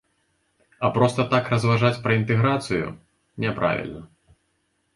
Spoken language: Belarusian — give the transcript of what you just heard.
А проста так разважаць пра інтэграцыю, няправільна.